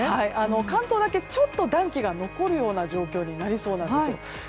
関東だけちょっと暖気が残るような状況になりそうなんです。